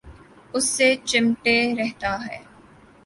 اس سے چمٹے رہتا ہے۔